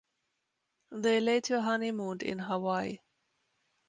They later honeymooned in Hawaii.